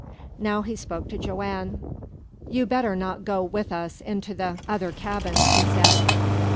Now he spoke to Joanne. "You better not go with us into the other cabins," he said.